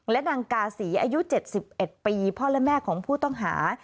และนางกาศีอายุ๗๑ปีพ่อและแม่ของผู้ต้องหา